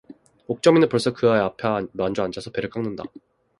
옥점이는 벌써 그의 앞에 마주앉아서 배를 깎는다.